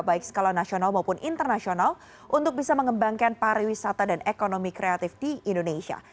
baik skala nasional maupun internasional untuk bisa mengembangkan pariwisata dan ekonomi kreatif di indonesia